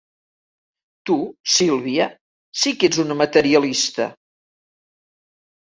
Tu, Sílvia, sí que ets una materialista.